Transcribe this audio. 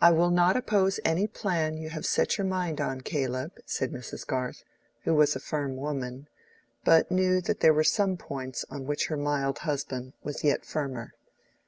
"I will not oppose any plan you have set your mind on, Caleb," said Mrs. Garth, who was a firm woman, but knew that there were some points on which her mild husband was yet firmer.